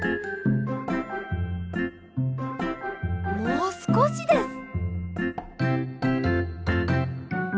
もうすこしです！